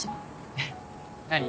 えっ何？